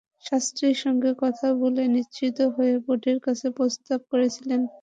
শাস্ত্রীর সঙ্গে কথা বলে নিশ্চিত হয়ে বোর্ডের কাছে প্রস্তাব করেছিলেন প্যাটেল।